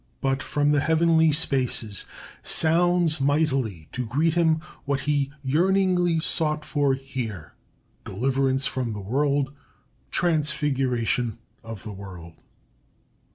"But from the heavenly spaces sounds mightily to greet him what he yearningly sought for here: deliverance from the world, transfiguration of the world."